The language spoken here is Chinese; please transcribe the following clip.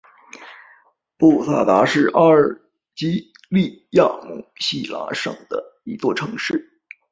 布萨达是阿尔及利亚姆西拉省的一座城市。